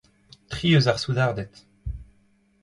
Tri eus ar soudarded.